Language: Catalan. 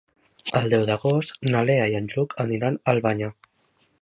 El deu d'agost na Lea i en Lluc aniran a Albanyà.